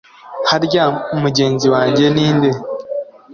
harya mugenzi wanjye ni nde